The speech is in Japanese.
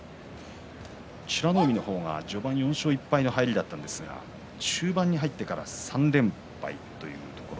美ノ海の方が序盤４勝１敗の入りだったんですが中盤に入ってから３連敗。